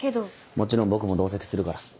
もちろん僕も同席するから。